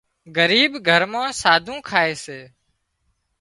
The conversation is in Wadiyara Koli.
ڳريٻ گھر مان ساڌُون کائي سي